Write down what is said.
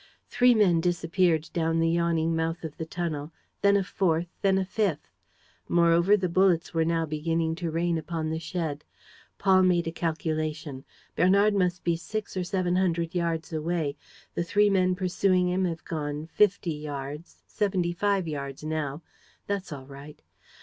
Three men disappeared down the yawning mouth of the tunnel; then a fourth; then a fifth. Moreover, the bullets were now beginning to rain upon the shed. Paul made a calculation: "Bernard must be six or seven hundred yards away. The three men pursuing him have gone fifty yards ... seventy five yards now. That's all right."